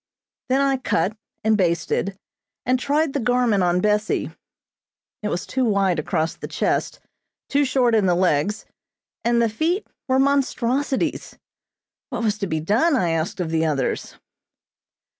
Then I cut, and basted, and tried the garment on Bessie. It was too wide across the chest, too short in the legs, and the feet were monstrosities. What was to be done, I asked of the others?